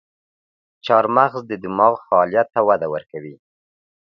چارمغز د دماغ فعالیت ته وده ورکوي.